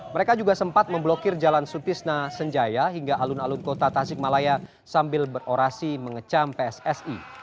mereka juga sempat memblokir jalan sutisna senjaya hingga alun alun kota tasikmalaya sambil berorasi mengecam pssi